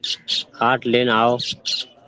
کآٽ لين آئو۔